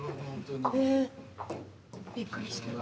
えびっくりした。